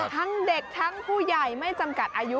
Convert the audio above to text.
ทั้งเด็กทั้งผู้ใหญ่ไม่จำกัดอายุ